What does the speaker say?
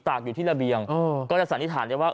กอยู่ที่ระเบียงก็จะสันนิษฐานได้ว่า